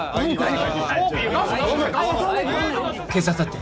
警察だって。